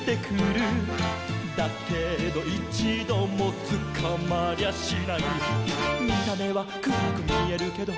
「だけどいちどもつかまりゃしない」「見た目はくらくみえるけど」